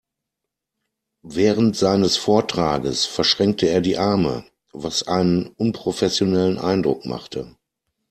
Während seines Vortrages verschränkte er die Arme, was einen unprofessionellen Eindruck machte.